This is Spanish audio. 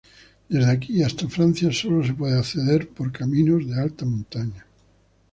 Desde aquí y hasta Francia sólo se puede acceder por caminos de alta montaña.